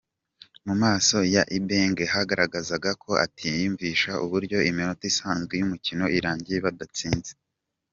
Mu maso ya Ibenge hagaragazaga ko atiyumvisha uburyo iminota isanzwe y'umukino irangiye badatsinze.